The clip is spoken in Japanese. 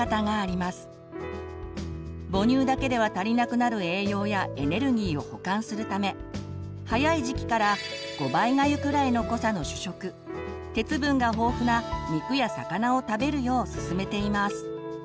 母乳だけでは足りなくなる栄養やエネルギーを補完するため早い時期から５倍がゆくらいの濃さの主食鉄分が豊富な肉や魚を食べるようすすめています。